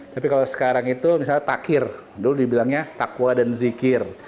tapi kalau sekarang itu misalnya takir dulu dibilangnya takwa dan zikir